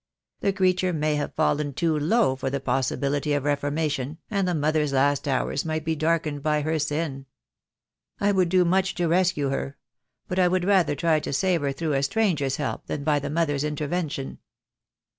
The creature may have fallen too low for the possibility of reformation, and the mother's last hours might be darkened by her sin. I would do much to rescue her— but I would rather try so save her through a stranger's help than by the mother's intervention."